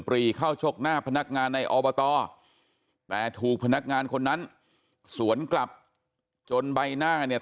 รีเข้าชกหน้าพนักงานในอบตแต่ถูกพนักงานคนนั้นสวนกลับจนใบหน้าเนี่ย